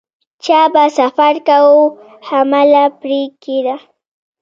چا به سفر کاوه حمله پرې کېده.